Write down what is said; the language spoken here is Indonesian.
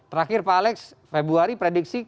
terakhir pak alex februari prediksi